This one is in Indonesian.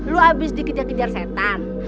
lu abis dikejar kejar setan